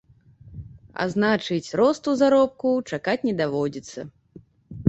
А значыць, росту заробкаў чакаць не даводзіцца.